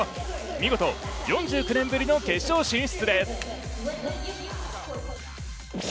見事４９年ぶりの決勝進出です。